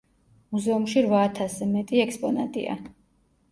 მუზეუმში რვა ათასზე მეტი ექსპონატია.